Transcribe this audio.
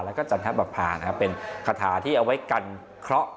แล้วก็จันทบภานะครับเป็นคาถาที่เอาไว้กันเคราะห์